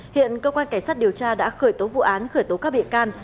hiện cơ quan cảnh sát điều tra đã khởi tố vụ án khởi tố các bị can